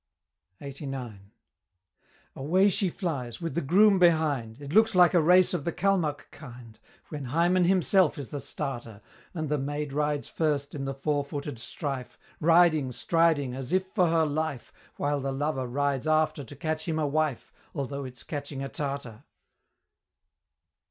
LXXXIX. Away she flies, with the groom behind, It looks like a race of the Calmuck kind, When Hymen himself is the starter, And the Maid rides first in the fourfooted strife, Riding, striding, as if for her life, While the Lover rides after to catch him a wife, Although it's catching a Tartar.